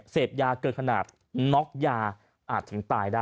เสพยาเกิดขนาด